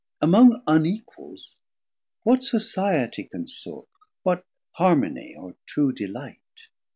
Among unequals what societie Can sort, what harmonie or true delight?